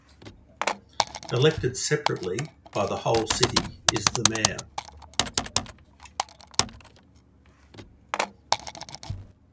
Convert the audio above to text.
Elected separately, by the whole city, is the mayor.